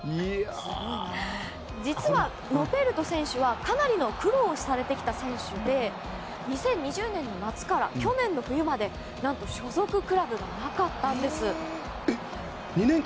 実は、ノペルト選手はかなりの苦労をされてきた選手で２０２０年の夏から去年の冬まで所属クラブがなかったんです。